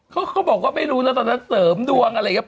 เขาบอกว่าไม่รู้แล้วตอนนั้นเสริมดวงอะไรอย่างนี้